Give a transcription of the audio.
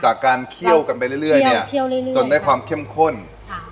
การเคี่ยวกันไปเรื่อยเรื่อยเนี้ยเคี่ยวเรื่อยจนได้ความเข้มข้นค่ะ